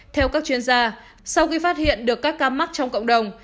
theo các chuyên gia sau khi phát hiện được các ca mắc trong cộng đồng